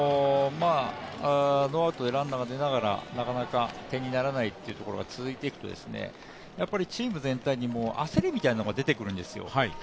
ノーアウトでランナーが出ながらなかなか点にならないというところが続いていくとやっぱりチーム全体にも焦りみたいなのが出てくるんですよ。